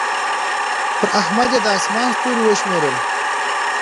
پر احمد يې د اسمان ستوري وشمېرل.